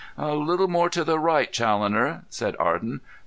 "A little more to the right, Challoner," said Arden.